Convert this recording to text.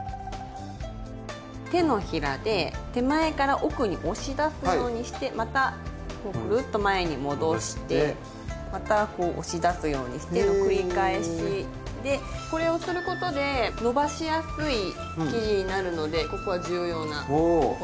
手のひらで手前から奥に押し出すようにしてまたこうぐるっと前に戻してまたこう押し出すようにしての繰り返しでこれをすることでのばしやすい生地になるのでここは重要なポイントです。